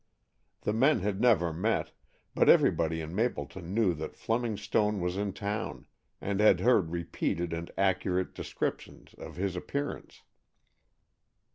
The men had never met, but everybody in Mapleton knew that Fleming Stone was in town, and had heard repeated and accurate descriptions of his appearance.